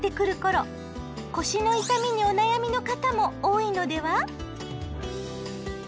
腰の痛みにお悩みの方も多いのでは？